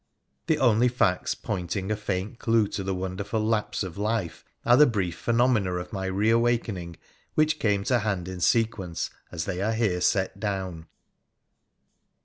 The only facts pointing a faint clue to the wonderful lapse of life are the brief phenomena of my reawakening, which came to hand in sequence as they are here set down.